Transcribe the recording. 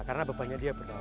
karena bebannya dia berdaul